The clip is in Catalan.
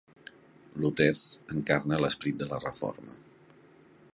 Luter encarna l'esperit de la Reforma.